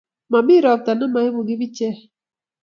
momi ropta nemoibu kibichek